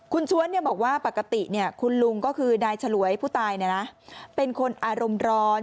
คุณชวนบอกว่าปกติคุณลุงก็คือนายฉลวยผู้ตายเป็นคนอารมณ์ร้อน